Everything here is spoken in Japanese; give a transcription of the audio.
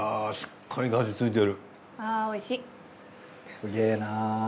すげぇな。